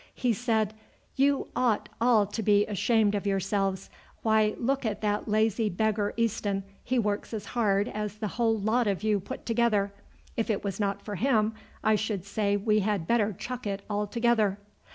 He said, 'You ought all to be ashamed of yourselves. Why, look at that lazy beggar Easton, he works as hard as the whole lot of you put together. If it was not for him I should say we had better chuck it altogether.'"